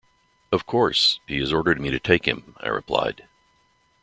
‘Of course — he has ordered me to take him,’ I replied.